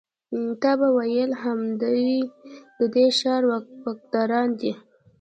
تا به ویل همدوی د دې ښار واکداران دي.